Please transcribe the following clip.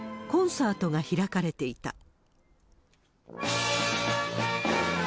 コンサートが開かれていた。